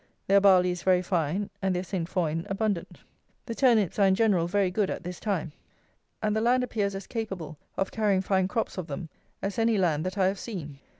Their barley is very fine; and their Saint foin abundant. The turnips are, in general, very good at this time; and the land appears as capable of carrying fine crops of them as any land that I have seen.